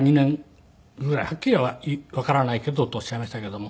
「はっきりはわからないけど」とおっしゃいましたけども。